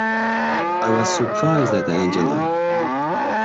I was surprised at Angela.